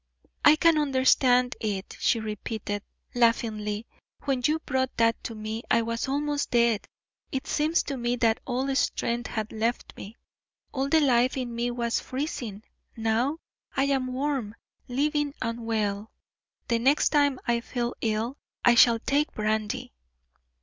"I can understand it," she repeated, laughingly. "When you brought that to me I was almost dead it seemed to me that all strength had left me, all the life in me was freezing; now I am warm, living, and well. The next time I feel ill I shall take brandy."